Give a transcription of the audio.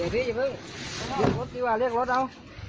เดี๋ยวดูพี่อย่าเพิ่งรถดีกว่าเรียกรถเอา